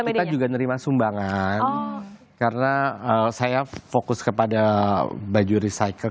kita juga nerima sumbangan karena saya fokus kepada baju recycle